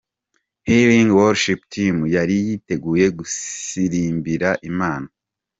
Healing worship team yari yiteguye gusirimbira Imana.